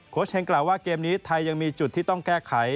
เฮงกล่าวว่าเกมนี้ไทยยังมีจุดที่ต้องแก้ไข